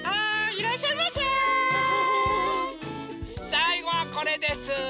さいごはこれです。